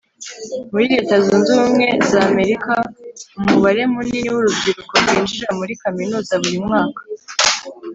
Muri Leta zunze ubumwe za Amerika umubare munini wurubyiruko rwinjira muri kaminuza buri mwaka